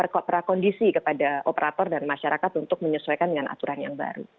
prakondisi kepada operator dan masyarakat untuk menyesuaikan dengan aturan yang baru